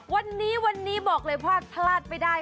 วันนี้วันนี้บอกเลยว่าพลาดไม่ได้